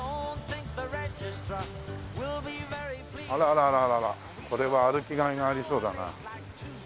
あらあらあらあらあらこれは歩きがいがありそうだな。